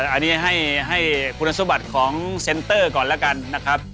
อันนี้ให้คุณสมบัติของเซ็นเตอร์ก่อนแล้วกันนะครับ